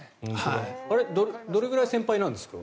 どらぐらい先輩なんですか。